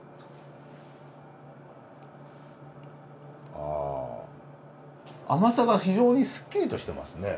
あ甘さが非常にすっきりとしてますね。